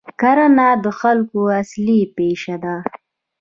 کرنه د خلکو اصلي پیشه ده.